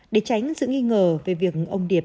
để tránh sự nghi ngờ về việc ông điệp